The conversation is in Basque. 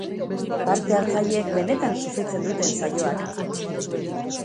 Parte hartzaileek benetan sufritzen duten saioak!